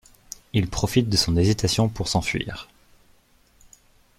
Il profite de son hésitation pour s'enfuir.